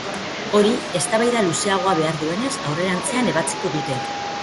Hori, eztabaida luzeagoa behar duenez, aurrerantzean ebatziko dute.